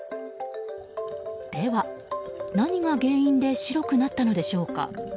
では、何が原因で白くなったのでしょうか？